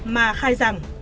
mà khai rằng